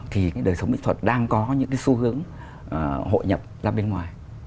thì cái đời sống mỹ thuật đang có những cái xu hướng hội nhập ra bên ngoài